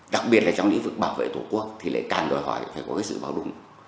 đặc biệt là trong lĩnh vực bảo vệ tổ quốc thì lại càng đòi hỏi phải có sự bảo đúng